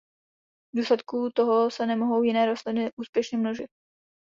V důsledku toho se nemohou jiné rostliny úspěšně množit.